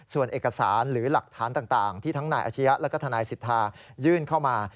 ส่วนเอกสารหรือหลักฐานต่างที่ทั้งนายอาชียะแล้วก็ทนายสิทธายื่นเข้ามา